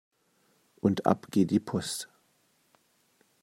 Und ab geht die Post!